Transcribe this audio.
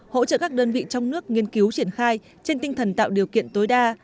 hỗ trợ các đơn vị trong nước nghiên cứu triển khai trên tinh thần tạo điều kiện tối đa